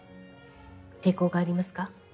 抵抗がありますか？